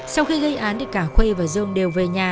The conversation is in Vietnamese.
sau khi gây án thì cả khuê và dương đều về nhà